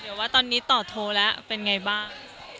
เดี๋ยวว่าตอนนี้ต่อโทรแล้วเป็นไงบ้าง